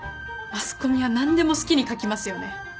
マスコミは何でも好きに書きますよね。